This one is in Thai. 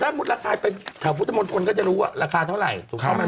ถ้ามุดราคาใหญ่แถวพุทธมนตรก็จะรู้ว่าราคาเท่าไหร่